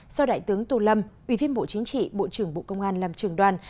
do đại tướng tô lâm ủy viên bộ chính trị bộ trưởng bộ công an làm trường đoàn